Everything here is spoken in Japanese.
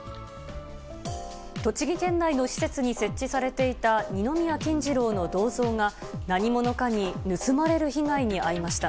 栃木県内の施設に設置されていた二宮金次郎の銅像が、何者かに盗まれる被害に遭いました。